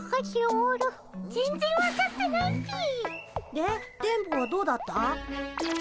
で電ボはどうだった？